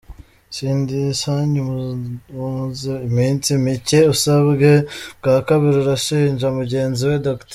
Cindy Sanyu umaze iminsi mike asabwe bwa kabiri arashinja mugenzi we Dr.